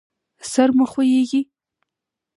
سر مو خوږیږي؟